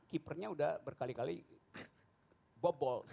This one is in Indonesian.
keepernya sudah berkali kali bobol